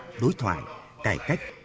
doanh nghiệp đối thoại cải cách